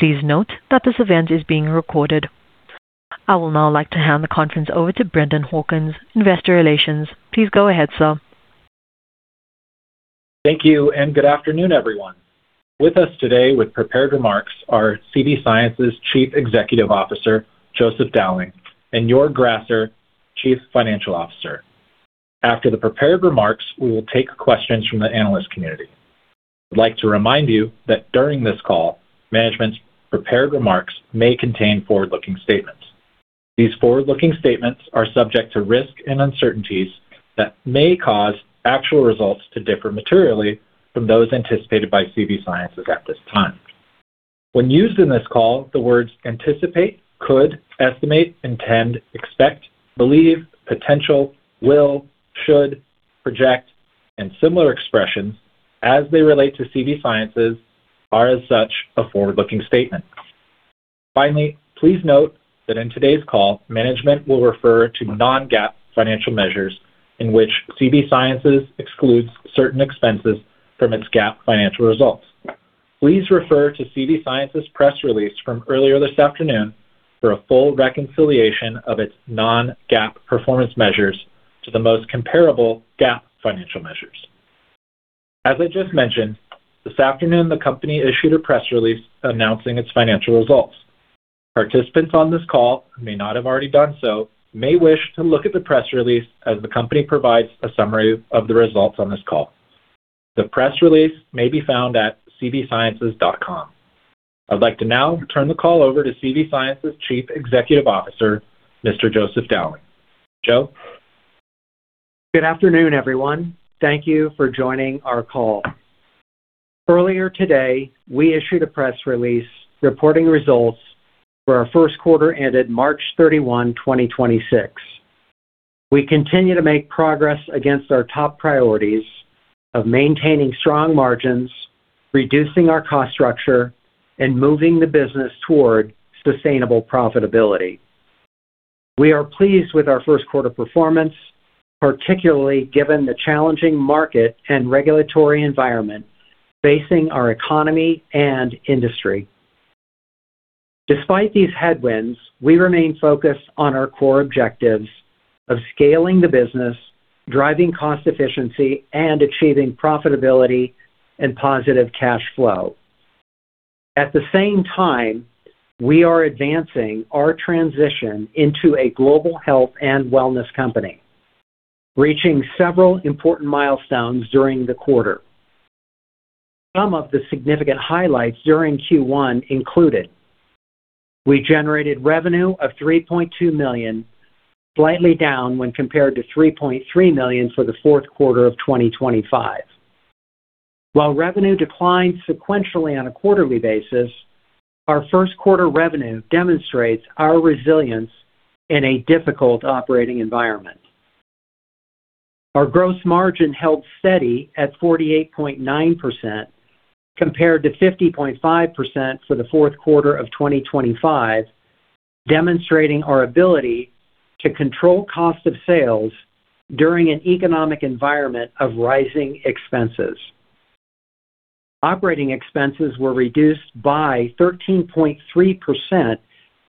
Please note that this event is being recorded. I will now like to hand the conference over to Brendan Hawkins, Investor Relations. Please go ahead, sir. Thank you and good afternoon, everyone. With us today with prepared remarks are CV Sciences' Chief Executive Officer, Joseph Dowling, and Joerg Grasser, Chief Financial Officer. After the prepared remarks, we will take questions from the Analyst community. I'd like to remind you that during this call, management's prepared remarks may contain forward-looking statements. These forward-looking statements are subject to risks and uncertainties that may cause actual results to differ materially from those anticipated by CV Sciences at this time. When used in this call, the words anticipate, could, estimate, intend, expect, believe, potential, will, should, project, and similar expressions as they relate to CV Sciences are as such a forward-looking statement. Finally, please note that in today's call, management will refer to non-GAAP financial measures in which CV Sciences excludes certain expenses from its GAAP financial results. Please refer to CV Sciences' press release from earlier this afternoon for a full reconciliation of its non-GAAP performance measures to the most comparable GAAP financial measures. As I just mentioned, this afternoon the company issued a press release announcing its financial results. Participants on this call who may not have already done so may wish to look at the press release as the company provides a summary of the results on this call. The press release may be found at cvsciences.com. I'd like to now turn the call over to CV Sciences' Chief Executive Officer, Mr. Joseph Dowling. Joe? Good afternoon, everyone. Thank you for joining our call. Earlier today, we issued a press release reporting results for our first quarter ended March 31, 2026. We continue to make progress against our top priorities of maintaining strong margins, reducing our cost structure, and moving the business toward sustainable profitability. We are pleased with our first quarter performance, particularly given the challenging market and regulatory environment facing our economy and industry. Despite these headwinds, we remain focused on our core objectives of scaling the business, driving cost efficiency, and achieving profitability and positive cash flow. At the same time, we are advancing our transition into a global health and wellness company, reaching several important milestones during the quarter. Some of the significant highlights during Q1 included. We generated revenue of $3.2 million, slightly down when compared to $3.3 million for the fourth quarter of 2025. While revenue declined sequentially on a quarterly basis, our first quarter revenue demonstrates our resilience in a difficult operating environment. Our gross margin held steady at 48.9% compared to 50.5% for the fourth quarter of 2025, demonstrating our ability to control cost of sales during an economic environment of rising expenses. Operating expenses were reduced by 13.3%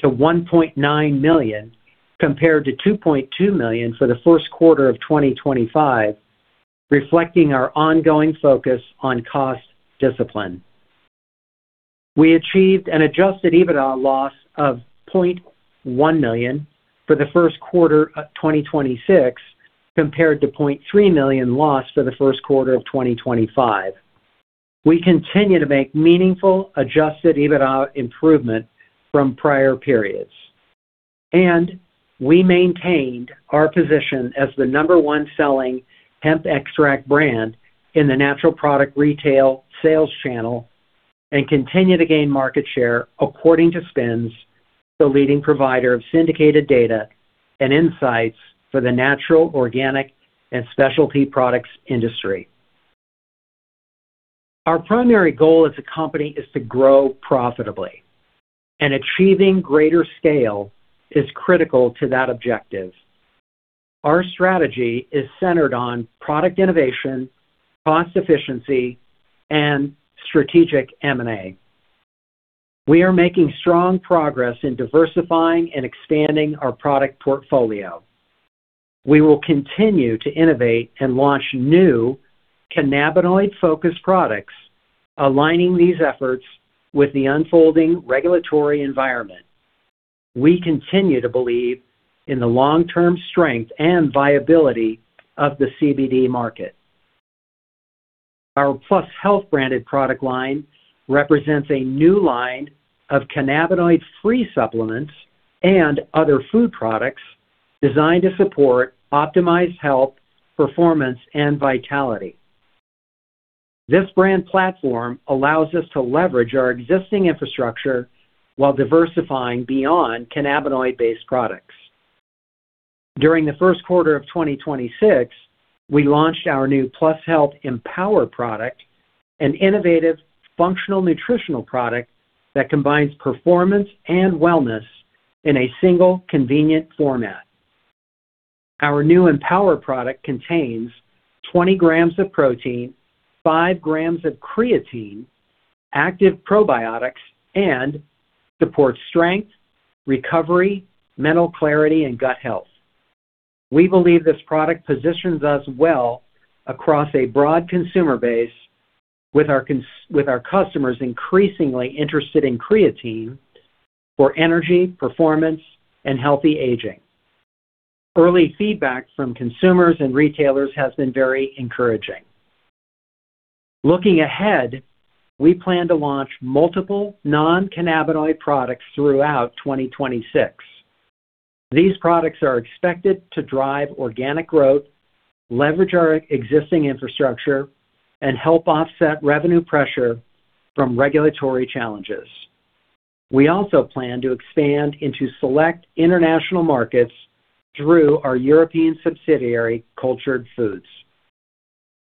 to $1.9 million, compared to 2.2 million for the first quarter of 2025, reflecting our ongoing focus on cost discipline. We achieved an Adjusted EBITDA loss of $0.1 million for the first quarter of 2026, compared to $0.3 million loss for the first quarter of 2025. We continue to make meaningful, Adjusted EBITDA improvement from prior periods. And, we maintained our position as the number-one selling hemp extract brand in the natural product retail sales channel and continue to gain market share according to SPINS, the leading provider of syndicated data and insights for the natural, organic, and specialty products industry. Our primary goal as a company is to grow profitably, and achieving greater scale is critical to that objective. Our strategy is centered on product innovation, cost efficiency, and strategic M&A. We are making strong progress in diversifying and expanding our product portfolio. We will continue to innovate and launch new cannabinoid-focused products, aligning these efforts with the unfolding regulatory environment. We continue to believe in the long-term strength and viability of the CBD market. Our +PlusHLTH branded product line represents a new line of cannabinoid-free supplements and other food products designed to support optimized health, performance, and vitality. This brand platform allows us to leverage our existing infrastructure while diversifying beyond cannabinoid-based products. During the first quarter of 2026, we launched our new +PlusHLTH Empower product, an innovative functional nutritional product that combines performance and wellness in a single convenient format. Our new Empower product contains 20 g of protein, 5 g of creatine, active probiotics, and supports strength, recovery, mental clarity, and gut health. We believe this product positions us well across a broad consumer base with our customers increasingly interested in creatine for energy, performance, and healthy aging. Early feedback from consumers and retailers has been very encouraging. Looking ahead, we plan to launch multiple non-cannabinoid products throughout 2026. These products are expected to drive organic growth, leverage our existing infrastructure, and help offset revenue pressure from regulatory challenges. We also plan to expand into select international markets through our European subsidiary, Cultured Foods.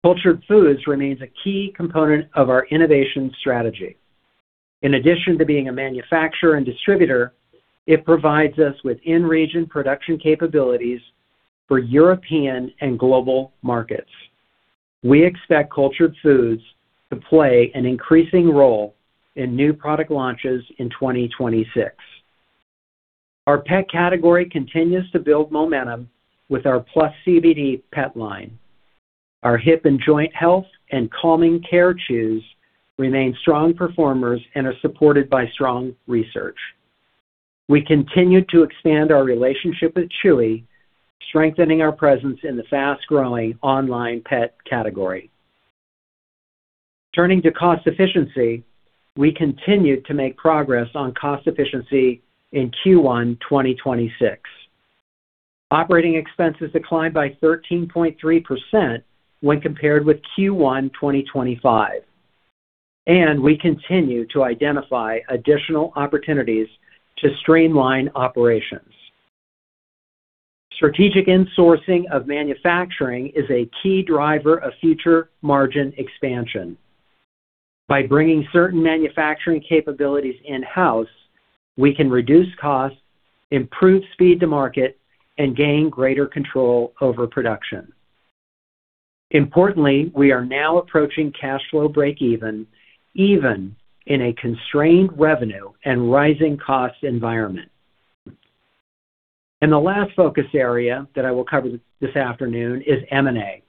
Cultured Foods remains a key component of our innovation strategy. In addition to being a manufacturer and distributor, it provides us with in-region production capabilities for European and global markets. We expect Cultured Foods to play an increasing role in new product launches in 2026. Our pet category continues to build momentum with our PlusCBD Pet line. Our Hip and Joint Health and Calming Care chews remain strong performers and are supported by strong research. We continue to expand our relationship with Chewy, strengthening our presence in the fast-growing online pet category. Turning to cost efficiency, we continued to make progress on cost efficiency in Q1 2026. Operating expenses declined by 13.3% when compared with Q1 2025, and, we continue to identify additional opportunities to streamline operations. Strategic insourcing of manufacturing is a key driver of future margin expansion. By bringing certain manufacturing capabilities in-house, we can reduce costs, improve speed to market, and gain greater control over production. Importantly, we are now approaching cash flow breakeven, even in a constrained revenue and rising cost environment. The last focus area that I will cover this afternoon is M&A,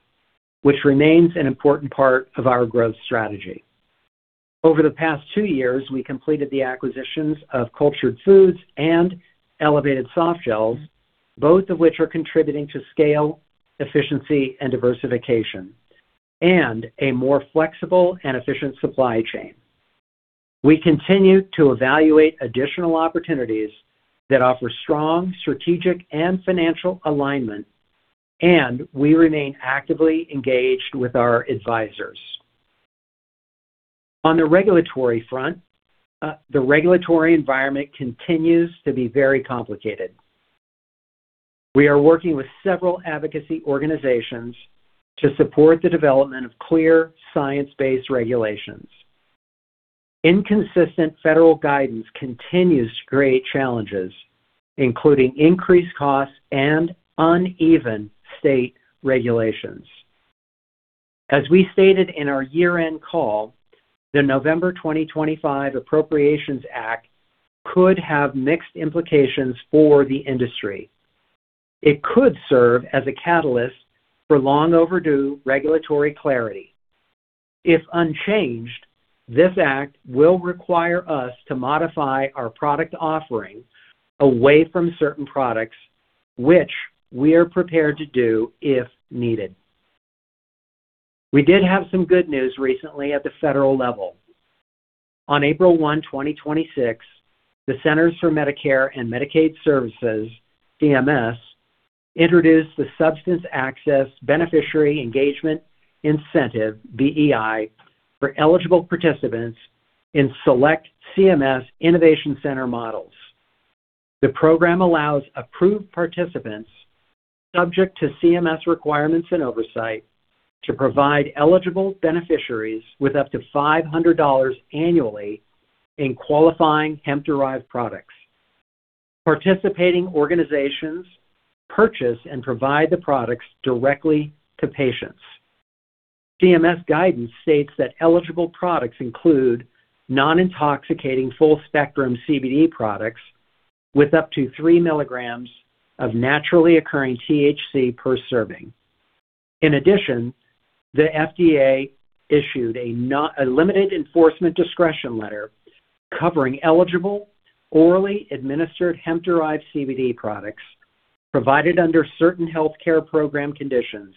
which remains an important part of our growth strategy. Over the past two years, we completed the acquisitions of Cultured Foods and Elevated Softgels, both of which are contributing to scale, efficiency, and diversification, and a more flexible and efficient supply chain. We continue to evaluate additional opportunities that offer strong strategic and financial alignment, and we remain actively engaged with our advisors. On the regulatory front, the regulatory environment continues to be very complicated. We are working with several advocacy organizations to support the development of clear science-based regulations. Inconsistent federal guidance continues to create challenges, including increased costs and uneven state regulations. As we stated in our year-end call, the November 2025 Appropriations Act could have mixed implications for the industry. It could serve as a catalyst for long overdue regulatory clarity. If unchanged, this act will require us to modify our product offering away from certain products, which we are prepared to do if needed. We did have some good news recently at the federal level. On April 1, 2026, the Centers for Medicare & Medicaid Services, CMS, introduced the Substance Access Beneficiary Engagement Incentive, BEI, for eligible participants in select CMS Innovation Center models. The program allows approved participants, subject to CMS requirements and oversight, to provide eligible beneficiaries with up to $500 annually in qualifying hemp-derived products. Participating organizations purchase and provide the products directly to patients. CMS guidance states that eligible products include non-intoxicating full-spectrum CBD products with up to 3 mg of naturally occurring THC per serving. In addition, the FDA issued a limited enforcement discretion letter covering eligible orally administered hemp-derived CBD products provided under certain healthcare program conditions,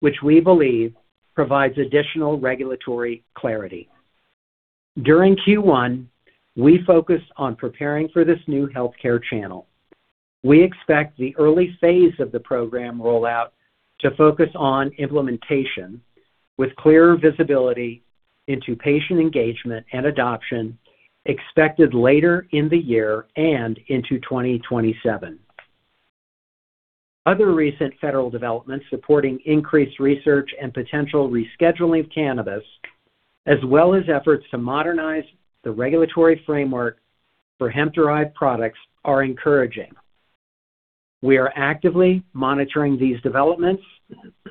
which we believe provides additional regulatory clarity. During Q1, we focused on preparing for this new healthcare channel. We expect the early phase of the program rollout to focus on implementation with clearer visibility into patient engagement and adoption expected later in the year and into 2027. Other recent federal developments supporting increased research and potential rescheduling of cannabis as well as efforts to modernize the regulatory framework for hemp-derived products are encouraging. We are actively monitoring these developments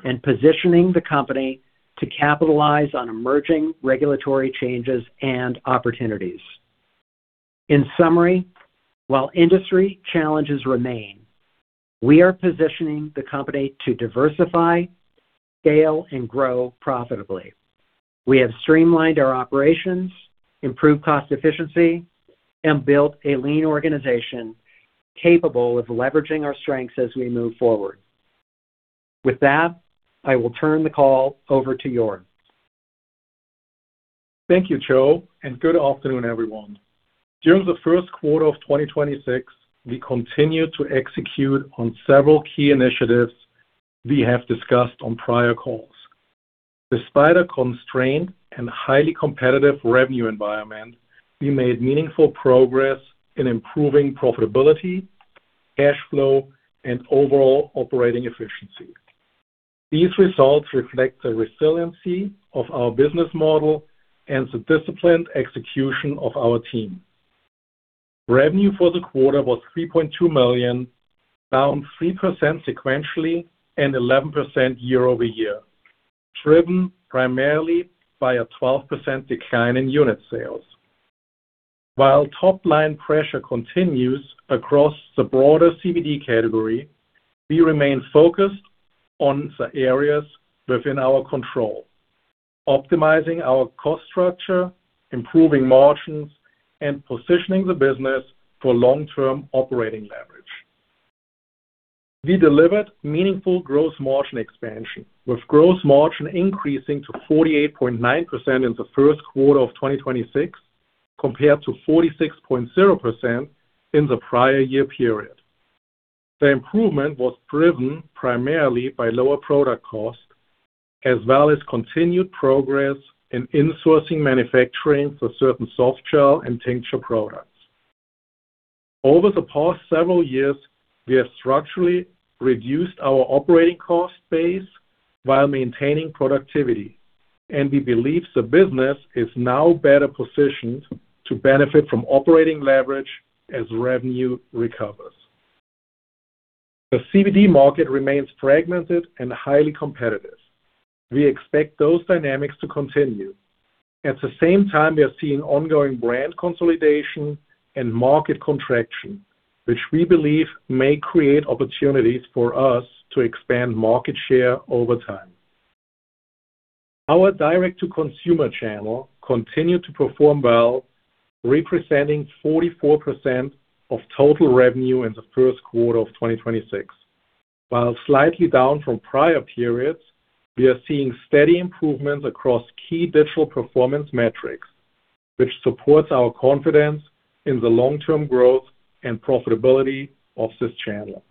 and positioning the company to capitalize on emerging regulatory changes and opportunities. In summary, while industry challenges remain, we are positioning the company to diversify, scale, and grow profitably. We have streamlined our operations, improved cost efficiency, and built a lean organization capable of leveraging our strengths as we move forward. With that, I will turn the call over to Joerg. Thank you, Joe, and good afternoon, everyone. During the first quarter of 2026, we continued to execute on several key initiatives we have discussed on prior calls. Despite a constrained and highly competitive revenue environment, we made meaningful progress in improving profitability, cash flow, and overall operating efficiency. These results reflect the resiliency of our business model and the disciplined execution of our team. Revenue for the quarter was $3.2 million, down 3% sequentially and 11% year-over-year, driven primarily by a 12% decline in unit sales. While top-line pressure continues across the broader CBD category, we remain focused on the areas within our control, optimizing our cost structure, improving margins, and positioning the business for long-term operating leverage. We delivered meaningful gross margin expansion, with gross margin increasing to 48.9% in the first quarter of 2026, compared to 46.0% in the prior year period. The improvement was driven primarily by lower product costs as well as continued progress in insourcing manufacturing for certain soft gel and tincture products. Over the past several years, we have structurally reduced our operating cost base while maintaining productivity, and we believe the business is now better positioned to benefit from operating leverage as revenue recovers. The CBD market remains fragmented and highly competitive. We expect those dynamics to continue. At the same time, we are seeing ongoing brand consolidation and market contraction, which we believe may create opportunities for us to expand market share over time. Our direct-to-consumer channel continued to perform well, representing 44% of total revenue in the first quarter of 2026. While slightly down from prior periods, we are seeing steady improvements across key digital performance metrics, which supports our confidence in the long-term growth and profitability of this channel.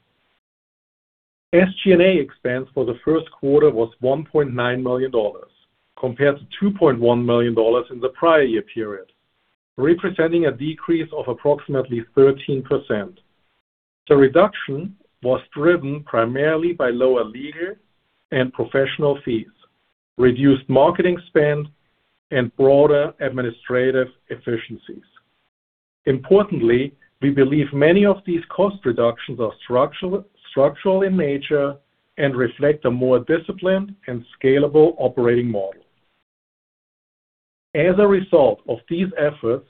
SG&A expense for the first quarter was $1.9 million, compared to 2.1 million in the prior year period, representing a decrease of approximately 13%. The reduction was driven primarily by lower legal and professional fees, reduced marketing spend, and broader administrative efficiencies. Importantly, we believe many of these cost reductions are structural in nature and reflect a more disciplined and scalable operating model. As a result of these efforts,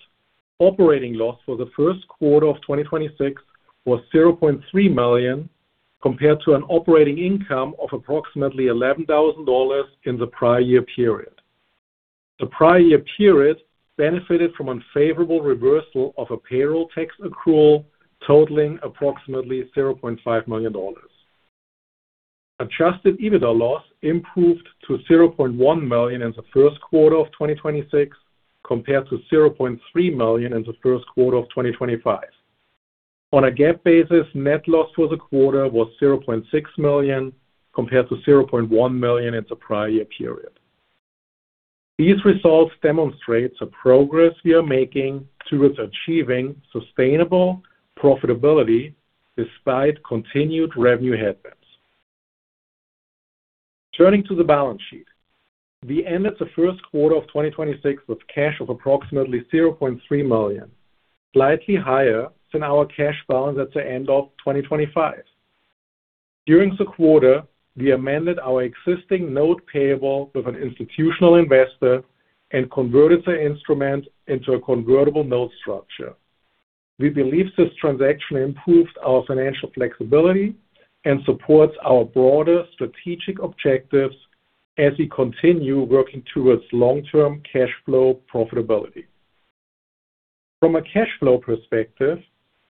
operating loss for the first quarter of 2026 was $0.3 million, compared to an operating income of approximately $11,000 in the prior year period. The prior year period benefited from unfavorable reversal of a payroll tax accrual totaling approximately $0.5 million. Adjusted EBITDA loss improved to $0.1 million in the first quarter of 2026, compared to $0.3 million in the first quarter of 2025. On a GAAP basis, net loss for the quarter was $0.6 million, compared to 0.1 million in the prior year period. These results demonstrate the progress we are making towards achieving sustainable profitability despite continued revenue headwinds. Turning to the balance sheet. We ended the first quarter of 2026 with cash of approximately $0.3 million, slightly higher than our cash balance at the end of 2025. During the quarter, we amended our existing note payable with an institutional investor and converted the instrument into a convertible note structure. We believe this transaction improves our financial flexibility and supports our broader strategic objectives as we continue working towards long-term cash flow profitability. From a cash flow perspective,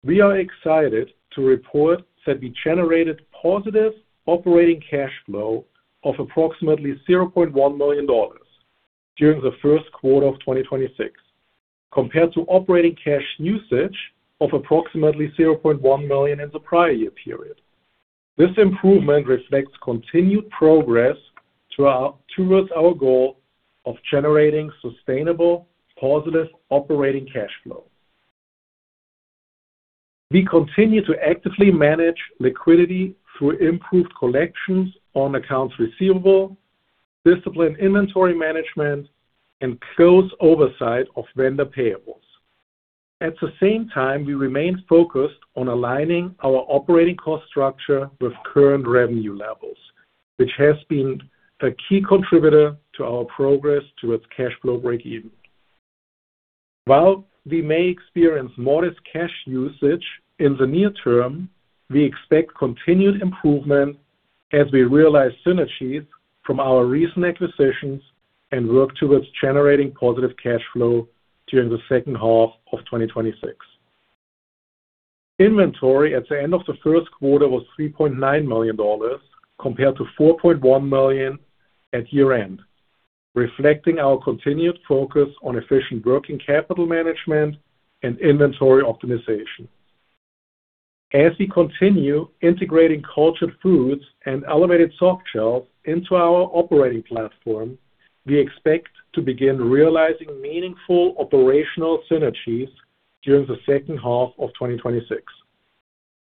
we are excited to report that we generated positive operating cash flow of approximately $0.1 million during the first quarter of 2026, compared to operating cash usage of approximately $0.1 million in the prior year period. This improvement reflects continued progress towards our goal of generating sustainable positive operating cash flow. We continue to actively manage liquidity through improved collections on accounts receivable, disciplined inventory management, and close oversight of vendor payables. At the same time, we remain focused on aligning our operating cost structure with current revenue levels, which has been a key contributor to our progress towards cash flow breakeven. While we may experience modest cash usage in the near term, we expect continued improvement as we realize synergies from our recent acquisitions and work towards generating positive cash flow during the second half of 2026. Inventory at the end of the first quarter was $3.9 million compared to 4.1 million at year-end, reflecting our continued focus on efficient working capital management and inventory optimization. As we continue integrating Cultured Foods and Elevated Softgels into our operating platform, we expect to begin realizing meaningful operational synergies during the second half of 2026.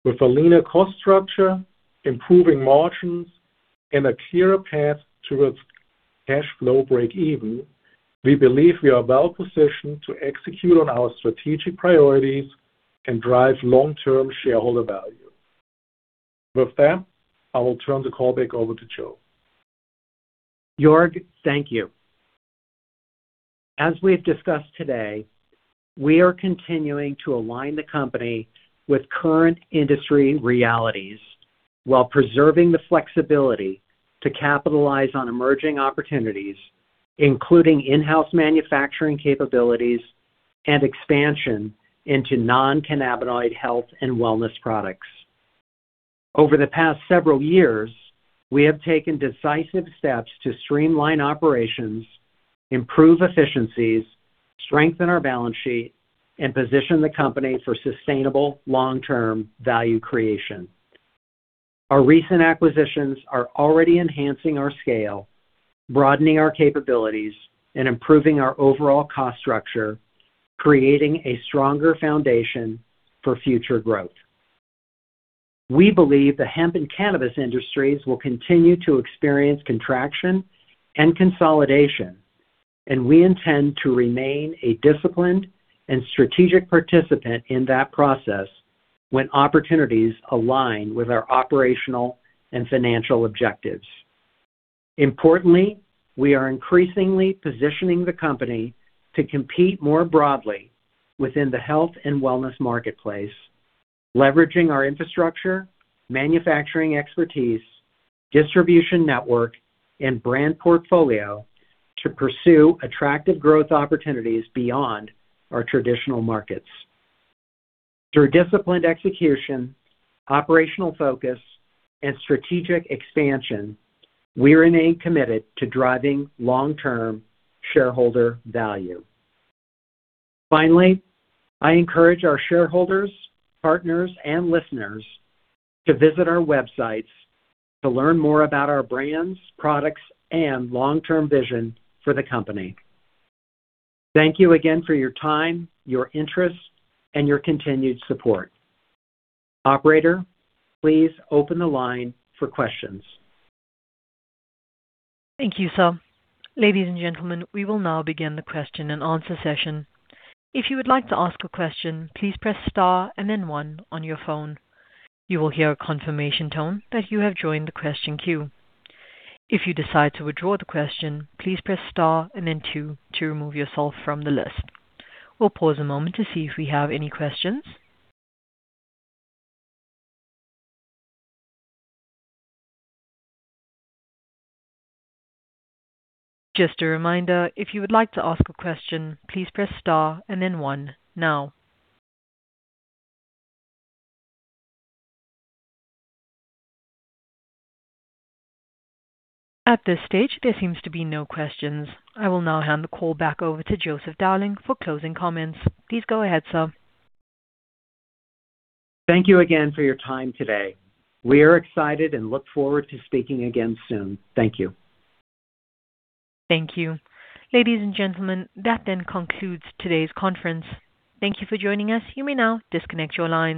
With a leaner cost structure, improving margins, and a clearer path towards cash flow breakeven, we believe we are well-positioned to execute on our strategic priorities and drive long-term shareholder value. With that, I will turn the call back over to Joe. Joerg, thank you. As we have discussed today, we are continuing to align the company with current industry realities while preserving the flexibility to capitalize on emerging opportunities, including in-house manufacturing capabilities and expansion into non-cannabinoid health and wellness products. Over the past several years, we have taken decisive steps to streamline operations, improve efficiencies, strengthen our balance sheet, and position the company for sustainable long-term value creation. Our recent acquisitions are already enhancing our scale, broadening our capabilities, and improving our overall cost structure, creating a stronger foundation for future growth. We believe the hemp and cannabis industries will continue to experience contraction and consolidation, and we intend to remain a disciplined and strategic participant in that process when opportunities align with our operational and financial objectives. Importantly, we are increasingly positioning the company to compete more broadly within the health and wellness marketplace, leveraging our infrastructure, manufacturing expertise, distribution network, and brand portfolio to pursue attractive growth opportunities beyond our traditional markets. Through disciplined execution, operational focus, and strategic expansion, we remain committed to driving long-term shareholder value. Finally, I encourage our shareholders, partners, and listeners to visit our websites to learn more about our brands, products, and long-term vision for the company. Thank you again for your time, your interest, and your continued support. Operator, please open the line for questions. Thank you, sir. Ladies and gentlemen, we will now begin the question and answer session. If you would like to ask a question, please press star and then one on your phone. You will hear a confirmation tone that you have joined the question queue. If you decide to withdraw the question, please press star and then two to remove yourself from the list. We'll pause a moment to see if we have any questions. Just a reminder, if you would like to ask a question, please press star and then one now. At this stage, there seems to be no questions. I will now hand the call back over to Joseph Dowling for closing comments. Please go ahead, sir. Thank you again for your time today. We are excited and look forward to speaking again soon. Thank you. Thank you. Ladies and gentlemen, that then concludes today's conference. Thank you for joining us. You may now disconnect your lines.